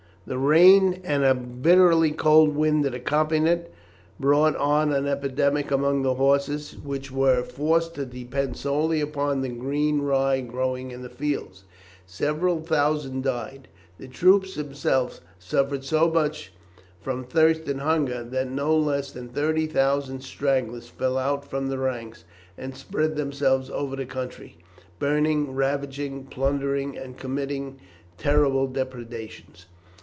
The rain, and a bitterly cold wind that accompanied it, brought on an epidemic among the horses, which were forced to depend solely upon the green rye growing in the fields. Several thousands died; the troops themselves suffered so much from thirst and hunger that no less than 30,000 stragglers fell out from the ranks and spread themselves over the country, burning, ravaging, plundering, and committing terrible depredations.